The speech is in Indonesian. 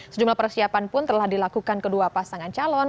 sejumlah persiapan pun telah dilakukan kedua pasangan calon